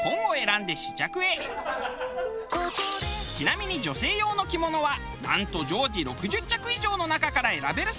ちなみに女性用の着物はなんと常時６０着以上の中から選べるそうです。